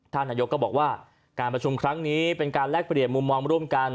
นายกก็บอกว่าการประชุมครั้งนี้เป็นการแลกเปลี่ยนมุมมองร่วมกัน